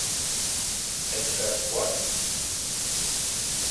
I said: 'What?